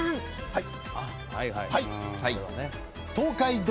はい。